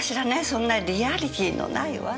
そんなリアリティーのない噂。